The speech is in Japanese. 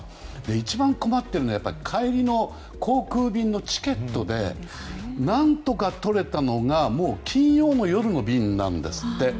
一番困っているのは帰りの航空便のチケットで何とかとれたのが金曜の夜の便なんですって。